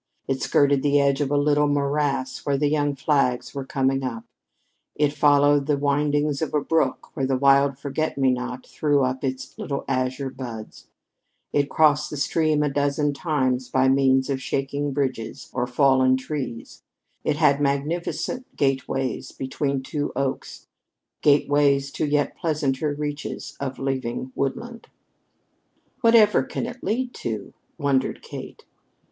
It skirted the edge of a little morass where the young flags were coming up; it followed the windings of a brook where the wild forget me not threw up its little azure buds; it crossed the stream a dozen times by means of shaking bridges, or fallen trees; it had magnificent gateways between twin oaks gateways to yet pleasanter reaches of leaving woodland. "Whatever can it lead to?" wondered Kate.